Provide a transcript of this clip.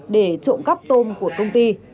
để trộm cắp tôm của công ty